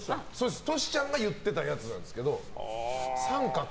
トシちゃんが言ってたやつなんですけど。